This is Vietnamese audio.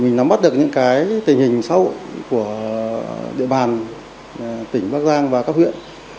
mình nắm bắt được những cái tình hình sâu của địa bàn tỉnh bắc giang và các huyện